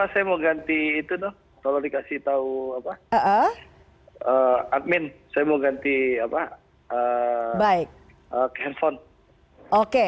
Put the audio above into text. mbak eva saya mau ganti itu dong kalau dikasih tahu admin saya mau ganti handphone